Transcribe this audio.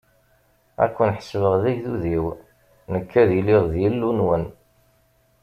Ad ken-ḥesbeɣ d agdud-iw, nekk ad iliɣ d Illu-nwen.